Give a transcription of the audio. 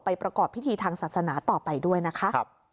ประกอบพิธีทางศาสนาต่อไปด้วยนะคะ